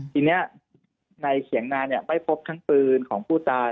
ทีนี้ในเขียงนาไม่พบทั้งปืนของผู้ตาย